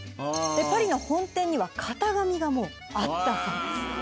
でパリの本店には型紙がもうあったそうです。